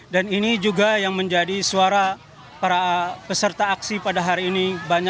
dan ini juga yang menjadi suara para peserta aksi pada hari ini